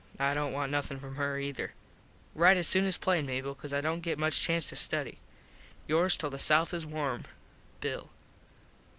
I dont want nothin from her ether. Rite soon an plain Mable, cause I dont get much chance to study. yours till the south is warm, _Bill.